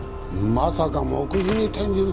まさか黙秘に転じるとはなあ。